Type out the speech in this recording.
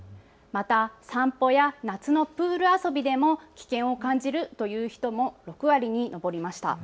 また、散歩や夏のプール遊びでも危険を感じるという人も６割に上りました。